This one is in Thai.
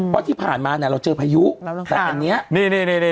เพราะที่ผ่านมาเนี่ยเราเจอพายุแต่อันนี้นี่